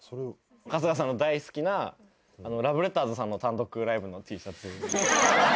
春日さんの大好きなラブレターズさんの単独ライブのＴシャツ。